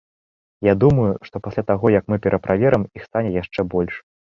Я думаю, што пасля таго як мы пераправерым, іх стане яшчэ больш.